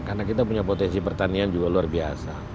karena kita punya potensi pertanian juga luar biasa